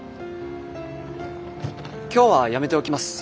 今日はやめておきます。